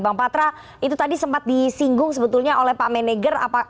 bang patra itu tadi sempat disinggung sebetulnya oleh pak meneger